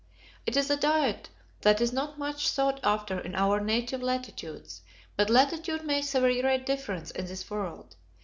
It is a diet that is not much sought after in our native latitudes, but latitude makes a very great difference in this world.